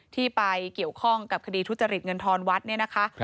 ที่ไปเกี่ยวข้องกับคดีทุจริตเงินทอนวัดเนี่ยนะคะ